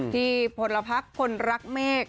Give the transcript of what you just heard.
ที่ผลพักคนรักเมก